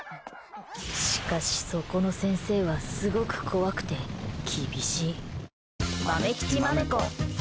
しかし、そこの先生はすごく怖くて、厳しい。